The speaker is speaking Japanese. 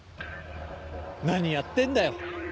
何やってんだよ。